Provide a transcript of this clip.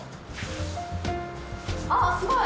あっすごい！